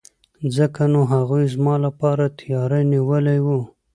ځکه نو هغوی زما لپاره تیاری نیولی وو.